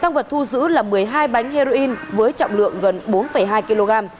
tăng vật thu giữ là một mươi hai bánh heroin với trọng lượng gần bốn hai kg